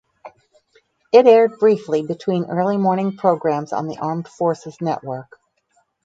It aired briefly between early morning programs on the Armed Forces Network.